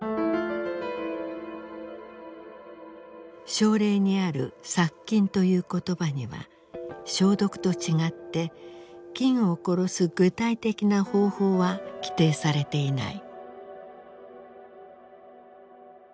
省令にある「殺菌」という言葉には「消毒」と違って菌を殺す具体的な方法は規定されていない。